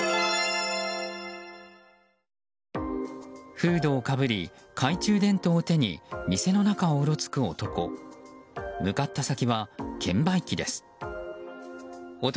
フードをかぶり懐中電灯を手に店の中をうろつく男。